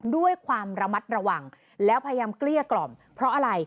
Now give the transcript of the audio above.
ด้วยความระมัดระวังแล้วพยายามเกลี้ยกล่อมเพราะอะไร